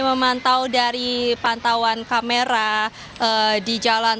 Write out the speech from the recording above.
memantau dari pantauan kamera di jalan